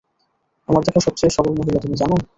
আমার দেখা সবচেয়ে সবল মহিলা তুমি, জানো?